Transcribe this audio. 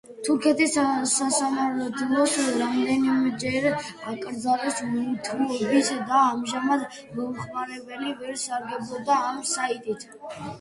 თურქეთის სასამართლომ რამდენიმეჯერ აკრძალა იუთუბი და ამჟამადაც, მომხმარებლები ვერ სარგებლობენ ამ საიტით.